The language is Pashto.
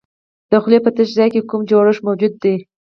د خولې په تش ځای کې کوم جوړښت موجود دی؟